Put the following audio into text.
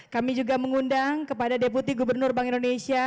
kami juga mengundang kepada deputi gubernur bank indonesia